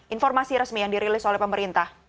informasi resmi yang dirilis oleh pemerintah